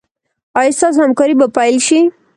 ایا ستاسو همکاري به پیل شي؟